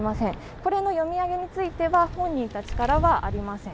これの読み上げについては本人たちからはありません。